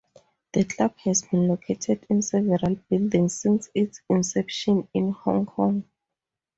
The Club has been located in several buildings since its inception in Hong Kong.